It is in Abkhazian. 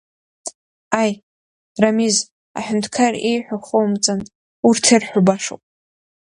Аи, Рамиз, аҳәынҭқар ииҳәо хоумҵан, урҭ ирҳәо башоуп.